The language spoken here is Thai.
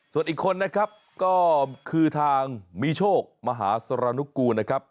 ส่วนอีกคนนะครับก็คือทางมีโชคมหาสรนุกูลนะครับ